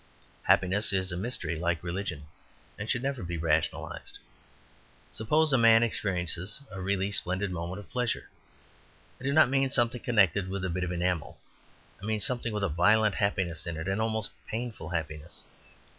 Happiness is a mystery like religion, and should never be rationalized. Suppose a man experiences a really splendid moment of pleasure. I do not mean something connected with a bit of enamel, I mean something with a violent happiness in it an almost painful happiness.